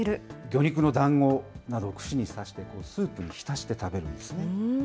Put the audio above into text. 魚肉のだんごなどを串に刺して、スープに浸して食べるんですね。